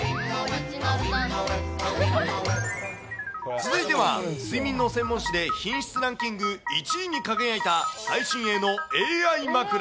続いては睡眠の専門誌で品質ランキング１位に輝いた最新鋭のＡＩ枕。